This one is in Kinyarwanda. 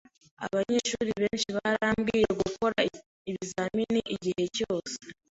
Abanyeshuri benshi barambiwe gukora ibizamini igihe cyose.